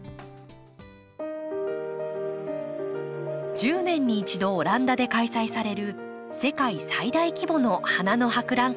１０年に１度オランダで開催される世界最大規模の花の博覧会。